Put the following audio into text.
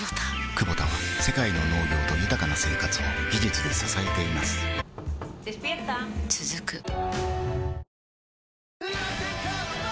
クボタは世界の農業と豊かな生活を技術で支えています起きて。